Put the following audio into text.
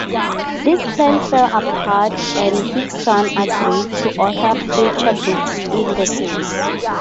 This plan fell apart and Higson agreed to author future books in the series.